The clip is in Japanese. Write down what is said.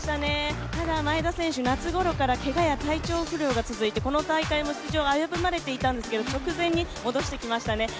前田選手、夏ごろからけがや体調不良が続いてこの大会も出場、危ぶまれていたんですけど、直前に戻してきましたね